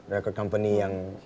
rekor company yang